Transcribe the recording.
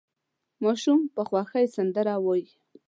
ماشوم په خوښۍ سندره وايي.